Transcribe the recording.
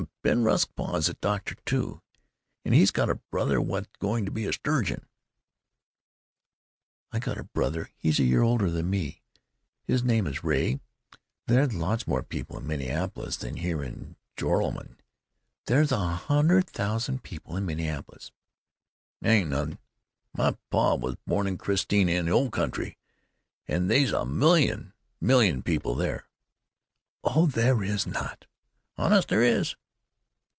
"Aw, Ben Rusk's pa is a doctor, too. And he's got a brother what's going to be a sturgeon." "I got a brother. He's a year older than me. His name is Ray.... There's lots more people in Minneapolis than there is in Joralemon. There's a hundred thousand people in Minneapolis." "That ain't nothing. My pa was born in Christiania, in the Old Country, and they's a million million people there." "Oh, there is not!" "Honest there is."